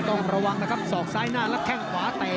ต้องระวังนะครับศอกซ้ายหน้าและแข้งขวาเตะ